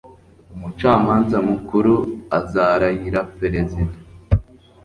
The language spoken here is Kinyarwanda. Umucamanza mukuru azarahira perezida.